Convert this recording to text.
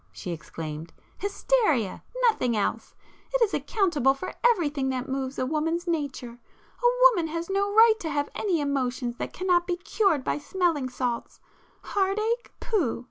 she exclaimed—"Hysteria!—nothing else! It is accountable for everything that moves a woman's nature. A woman has no right to have any emotions that cannot be cured by smelling salts! Heart ache?—pooh!